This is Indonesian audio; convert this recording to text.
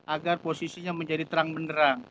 agar posisinya menjadi terang benderang